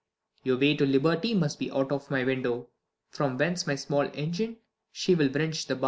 Your way to liberty must be out of my window, from whence by a small engine she will wrench the bars.